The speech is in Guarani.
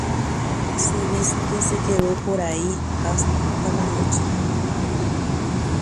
Oje'e opytahague upérupi pyhare peve